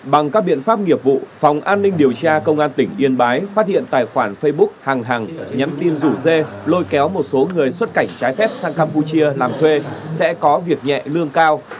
bằng các biện pháp nghiệp vụ phòng an ninh điều tra công an tỉnh yên bái phát hiện tài khoản facebook hàng nhắn tin rủ dê lôi kéo một số người xuất cảnh trái phép sang campuchia làm thuê sẽ có việc nhẹ lương cao